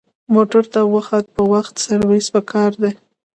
موټر ته وخت په وخت سروس پکار دی.